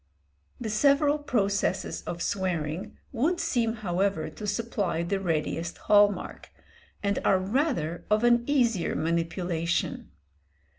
The several processes of swearing would seem however to supply the readiest hall mark, and are rather of an easier manipulation.